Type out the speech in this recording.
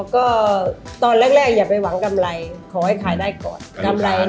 พูดกับคุณแม่เราได้พลังบวกมากเป็นผู้หญิงแก่งจริงวันนี้จะขอบคุณคุณแม่มาก